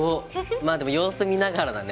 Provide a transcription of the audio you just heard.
まあでも様子見ながらだね。